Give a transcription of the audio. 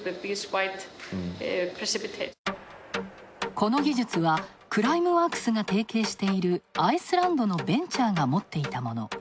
この技術はクライムワークスが提携しているアイスランドのベンチャーが持っていたもの。